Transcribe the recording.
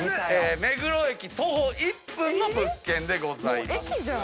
目黒駅徒歩１分の物件でございます。